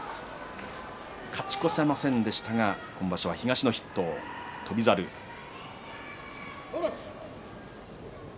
勝ち越せませんでしたが今場所は東の筆頭、翔猿です。